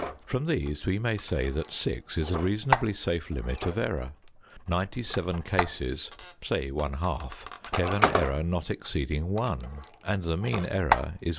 From these we may say that six is a reasonably safe limit of error. Ninety seven cases, say one half, gave an error not exceeding one; and the mean error is 1.